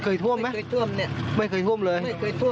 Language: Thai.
ปกติมันท่วมไหมมันเคยท่วมไหม